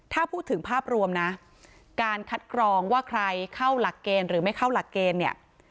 ถ้าพูดถึงภาพรวมนะการคัดกรองว่าใครเข้าหลักเกณฑ์หรือไม่เข้าหลักเกณฑ์เนี่ย